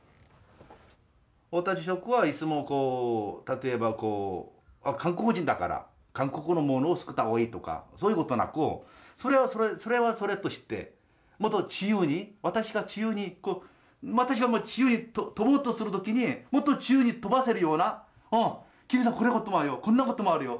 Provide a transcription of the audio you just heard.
太田住職はいつもこう例えばこう韓国人だから韓国のものを作ったほうがいいとかそういうことなくそれはそれとしてもっと自由に私が自由に私が自由に飛ぼうとするときにもっと自由に飛ばせるような金さんこんなこともあるよ